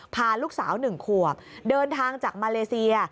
พาลูกสาว๑ขวบเดินทางจากมาเลเซีย